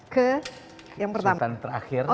ke yang pertama